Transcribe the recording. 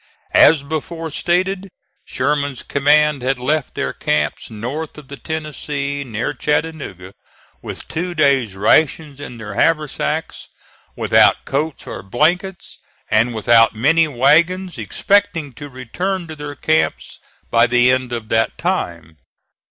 As before stated Sherman's command had left their camps north of the Tennessee, near Chattanooga, with two days' rations in their haversacks, without coats or blankets, and without many wagons, expecting to return to their camps by the end of that time.